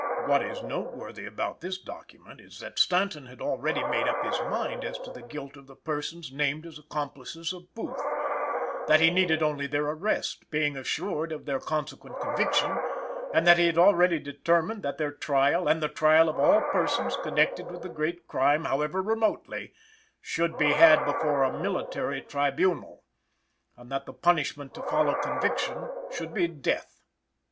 What is noteworthy about this document is that Stanton had already made up his mind as to the guilt of the persons named as accomplices of Booth; that he needed only their arrest, being assured of their consequent conviction; and that he had already determined that their trial and the trial of all persons connected with the great crime, however remotely, should be had before a military tribunal, and that the punishment to follow conviction should be death.